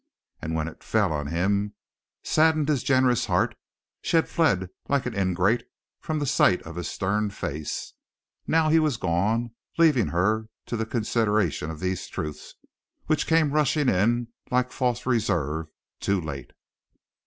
And when it fell on him, saddening his generous heart, she had fled like an ingrate from the sight of his stern face. Now he was gone, leaving her to the consideration of these truths, which came rushing in like false reserves, too late.